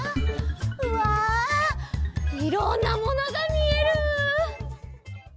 うわいろんなものがみえる！